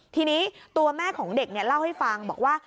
ทีนี้ตัวแม่ของเด็กเล่าให้ฟังบอกว่า